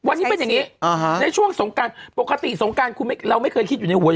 วันนี้เป็นอย่างนี้ในช่วงสงการปกติสงการคุณเราไม่เคยคิดอยู่ในหวย